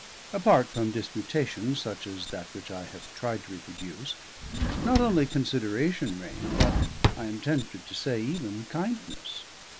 Apart from disputations such as that which I have tried to reproduce, not only consideration reigned, but, I am tempted to say, even kindness.